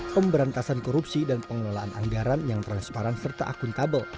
pemberantasan korupsi dan pengelolaan anggaran yang transparan serta akuntabel